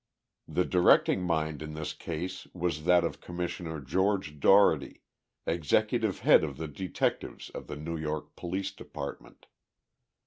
The directing mind in this case was that of Commissioner George Dougherty, executive head of the detectives of the New York Police Department.